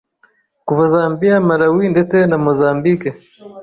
kuva Zambia, Malawi ndetse na Mozambique,